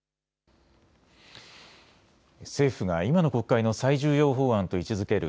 政府が今の国会の最重要法案と位置づける